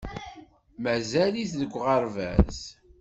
Mazal-it deg uɣerbaz.